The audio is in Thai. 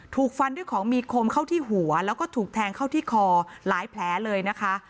ถูกฟันด้วยของมีคมเข้าที่หัวแล้วก็ถูกแทงเข้าที่คอหลายแผลเลยนะคะ